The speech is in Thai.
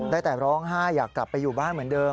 ได้แต่ร้องไห้อยากกลับไปอยู่บ้านเหมือนเดิม